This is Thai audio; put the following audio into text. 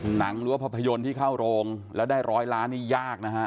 หนังหรือว่าภาพยนตร์ที่เข้าโรงแล้วได้ร้อยล้านนี่ยากนะฮะ